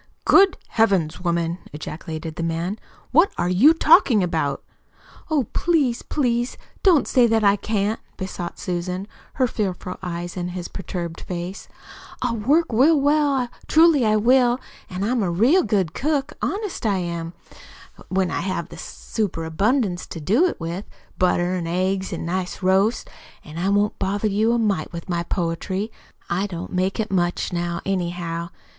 "Good Heavens, woman!" ejaculated the man. "What are you talking about?" "Oh, please, please don't say that I can't," besought Susan, her fearful eyes on his perturbed face. "I'll work real well truly I will. An' I'm a real good cook, honest I am, when I have a super abundance to do it with butter, an' eggs, an' nice roasts. An' I won't bother you a mite with my poetry. I don't make it much now, anyhow.